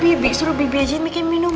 kan ada bibik suruh bibik aja mikir minuman